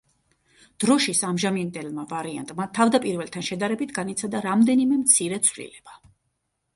დროშის ამჟამინდელმა ვარიანტმა, თავდაპირველთან შედარებით განიცადა რამდენიმე მცირე ცვლილება.